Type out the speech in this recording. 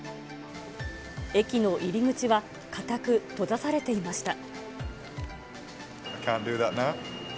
駅の入り口は、固く閉ざされていました。